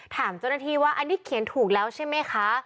ถามเจ้าหน้าที่ว่าอันนี้เขียนถูกแล้วใช่ไหมคะ